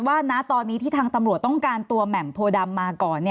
ณตอนนี้ที่ทางตำรวจต้องการตัวแหม่มโพดำมาก่อน